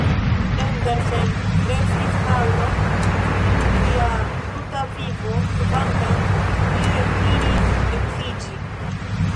Andersen restis fraŭlo dum sia tuta vivo, kvankam li deziris edziĝi.